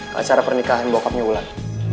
ke acara pernikahan bokapnya ulang